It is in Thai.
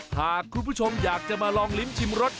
หากคุณผู้ชมอยากจะมาลองลิ้มชิมรส